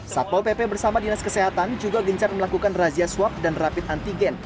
satpol pp bersama dinas kesehatan juga gencar melakukan razia swab dan rapid antigen